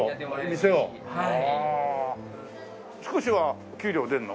少しは給料出るの？